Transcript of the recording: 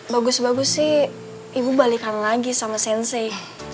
bagus bagus sih ibu balikan lagi sama sensi